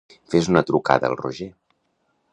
Fes una trucada al Roger.